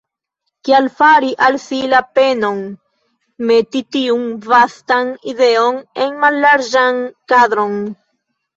Kial fari al si la penon meti tiun vastan ideon en mallarĝan kadron?